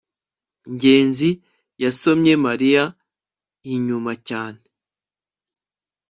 ngenzi yasomye mariya inyuma cyane